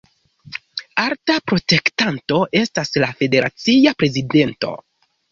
Alta protektanto estas la federacia prezidento.